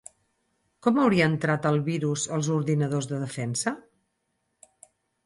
Com hauria entrat el virus als ordinadors de Defensa?